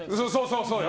そうよ。